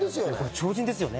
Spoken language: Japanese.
超人ですよね。